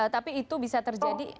tapi itu bisa terjadi